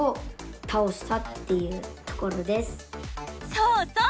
そうそう！